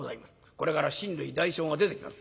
これから親類代表が出てきます。